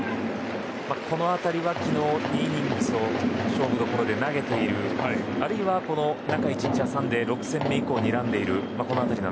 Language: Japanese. この辺りは昨日２イニングスを勝負どころで投げているあるいは、中１日挟んで６戦目以降をにらんでいる。